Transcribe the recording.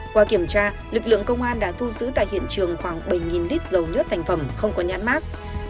qua kiểm tra lực lượng công an đã thu giữ tại hiện trường khoảng bảy lít dầu nhất thành phẩm không có nhãn mát